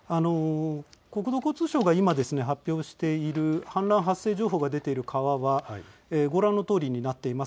国土交通省が今発表している氾濫発生情報が出ている川はご覧のとおりになっています。